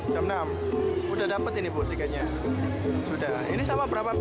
jadi ya kan kalau lembaran itu